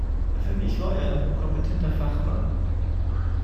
Für mich war er ein hochkompetenter Fachmann.